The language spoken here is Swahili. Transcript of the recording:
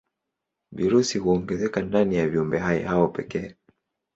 Virusi huongezeka ndani ya viumbehai hao pekee.